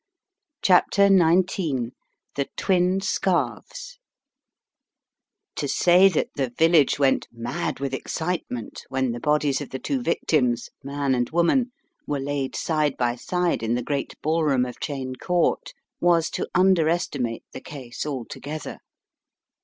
CHAPTER XIX THE TWIN SCARVES TO SAY that the village went mad with excite ment when the bodies of the two victims, man and woman, were laid side by side in the great ballroom of Cheyne Court was to underestimate the case altogether.